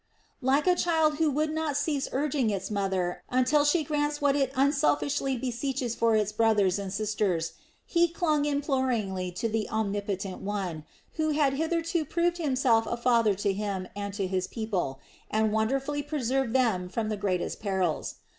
Like a child who will not cease urging its mother until she grants what it unselfishly beseeches for its brothers and sisters, he clung imploring to the Omnipotent One, who had hitherto proved Himself a father to him and to his people and wonderfully preserved them from the greatest perils.